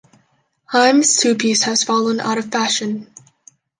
Heim's two-piece has fallen out of fashion.